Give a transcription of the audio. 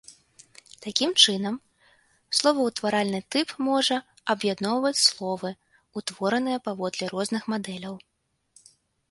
Такім чынам, словаўтваральны тып можа аб'ядноўваць словы, утвораныя паводле розных мадэляў.